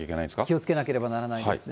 気をつけなければならないですね。